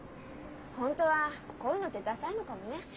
本当はこういうのってダサいのかもね。